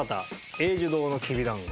永寿堂のきびだんご。